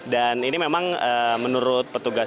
dan ini memang menurut petugas